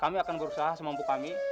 kami akan berusaha semampu kami